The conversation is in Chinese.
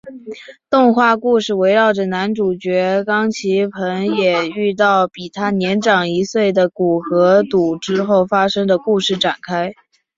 动画故事围绕着男主角冈崎朋也遇到比他年长一岁的古河渚之后发生的故事展开。